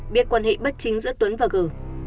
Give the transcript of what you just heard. biết quan hệ bất chính giữa tuấn và gờ